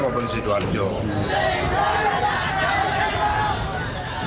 maupun di jawa timur